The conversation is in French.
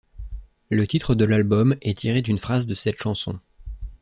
Le titre de l'album est tiré d'une phrase de cette chanson.